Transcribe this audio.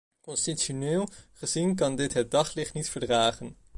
Constitutioneel gezien kan dit het daglicht niet verdragen.